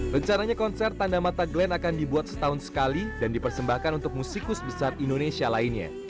rencananya konser tanda mata glenn akan dibuat setahun sekali dan dipersembahkan untuk musikus besar indonesia lainnya